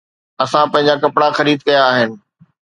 اسان پنهنجا ڪپڙا خريد ڪيا آهن